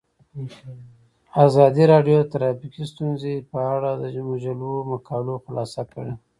ازادي راډیو د ټرافیکي ستونزې په اړه د مجلو مقالو خلاصه کړې.